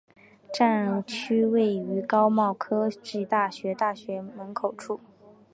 站区位于高苑科技大学大门口处。